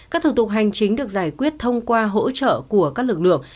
các thủ tục hành chính được giải quyết thông qua hỗ trợ của các lực lượng